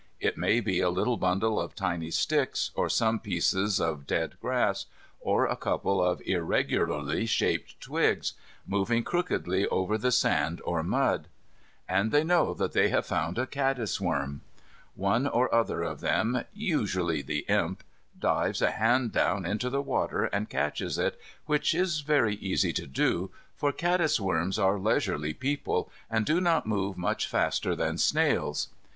It may be a little bundle of tiny sticks, or some pieces of dead grass, or a couple of irregularly shaped twigs, moving crookedly over the sand or mud. And they know that they have found a caddisworm. One or other of them, usually the Imp, dives a hand down into the water and catches it, which is very easy to do, for caddisworms are leisurely people, and do not move much faster than snails.